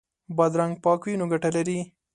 بادرنګ پاک وي نو ګټه لري.